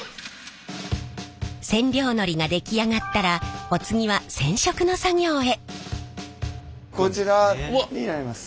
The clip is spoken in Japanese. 染料のりが出来上がったらお次はこちらになります。